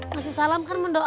ngasih salam kan mendoakan